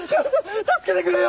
助けてくれよ。